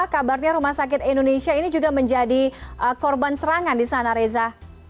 kabarnya rumah sakit indonesia ini juga menjadi korban serangan di sana reza